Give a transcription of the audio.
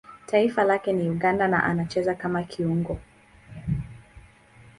Taifa lake ni Uganda na anacheza kama kiungo.